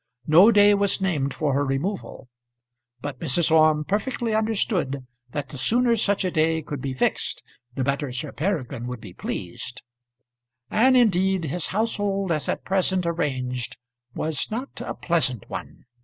No day was named for her removal, but, Mrs. Orme perfectly understood that the sooner such a day could be fixed the better Sir Peregrine would be pleased. And, indeed, his household as at present arranged was not a pleasant one.